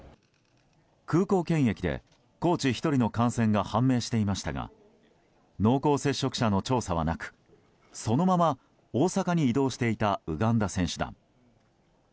空港検疫でコーチ１人の感染が判明していましたが濃厚接触者の調査はなくそのまま大阪に移動していたウガンダ選手団。